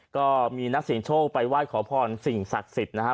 ก็มีนักเสียงโชคไปไหว้ขอพรสิ่งศักดิ์สิทธิ์นะครับ